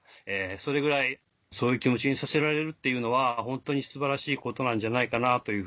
それぐらいそういう気持ちにさせられるっていうのはホントに素晴らしいことなんじゃないかなというふうに。